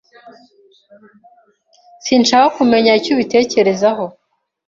Sinshaka kumenya icyo ubitekerezaho.